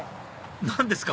何ですか？